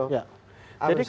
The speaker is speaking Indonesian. harus saling masak